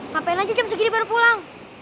ngapain aja jam segini baru pulang